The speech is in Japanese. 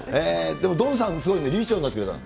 でも、ドンさんもすごいね、理事長になってくれたの。